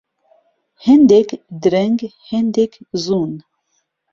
هێندێک درهنگ هێندێک زوون